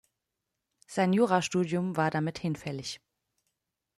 Sein Jurastudium war damit hinfällig.